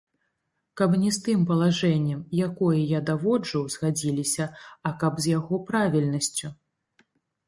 Каб не з тым палажэннем, якое я даводжу, згадзіліся, а каб з яго правільнасцю.